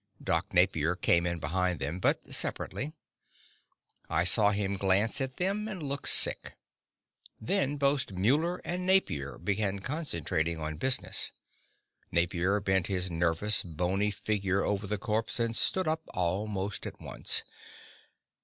Doc Napier came in behind them, but separately. I saw him glance at them and look sick. Then both Muller and Napier began concentrating on business. Napier bent his nervous, bony figure over the corpse, and stood up almost at once.